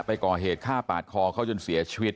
ไปก่อเหตุฆ่าปาดคอเขาจนเสียชีวิต